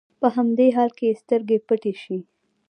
په همدې حال کې يې سترګې پټې شي.